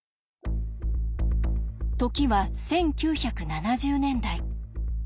時は１９７０年代。